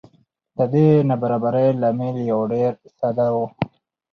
د دې نابرابرۍ لامل ډېر ساده و